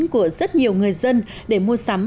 của rất nhiều người dân để mua sắm